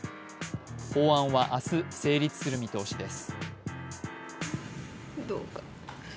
法案は明日、成立する見通しです。